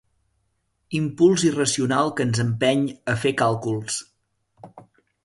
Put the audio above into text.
Impuls irracional que ens empeny a fer càlculs.